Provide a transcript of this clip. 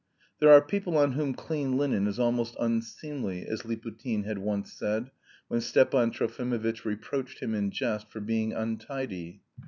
"There are people on whom clean linen is almost unseemly," as Liputin had once said when Stepan Trofimovitch reproached him in jest for being untidy.